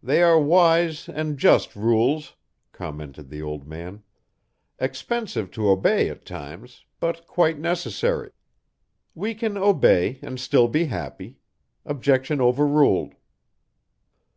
"They are wise and just rules," commented the old man, "expensive to obey at times, but quite necessary. We can obey and still be happy. Objection overruled."